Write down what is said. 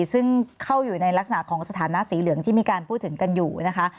ซึ่งเข้าอยู่ในลักษณะของสถานะสีเหลืองที่มีการพูดถึงกันอยู่นะคะ